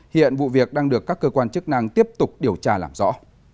hiện vụ việc đang được các cơ quan chức năng tiếp tục điều tra làm rõ